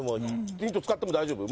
ヒント使っても大丈夫？